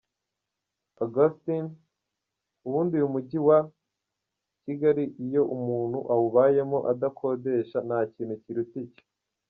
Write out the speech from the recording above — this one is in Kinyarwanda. Augustin: Ubundi uyu mujyi wa Kigali iyo umuntu awubayemo adakodesha nta kintu kiruta icyo.